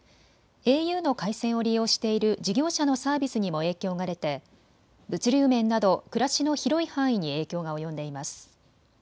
ａｕの回線を利用している事業者のサービスにも影響が出て物流面など暮らしの広い範囲に影響が及んでいます。